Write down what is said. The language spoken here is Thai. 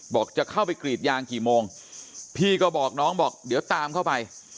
จะเข้าไปกรีดยางกี่โมงพี่ก็บอกน้องบอกเดี๋ยวตามเข้าไป